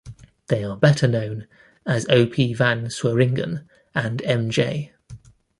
They are better known as O. P. Van Sweringen and M. J.